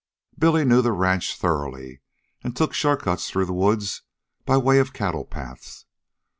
Billy knew the ranch thoroughly, and took short cuts through the woods by way of cattle paths.